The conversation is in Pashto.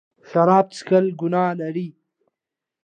شراب څښل ګناه لري.